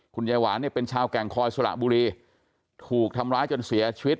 คุณยายหวานเนี่ยเป็นชาวแก่งคอยสระบุรีถูกทำร้ายจนเสียชีวิต